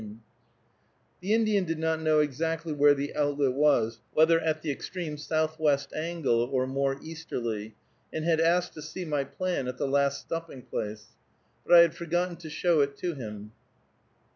[Illustration: Mount Kineo Cliff] The Indian did not know exactly where the outlet was, whether at the extreme southwest angle or more easterly, and had asked to see my plan at the last stopping place, but I had forgotten to show it to him.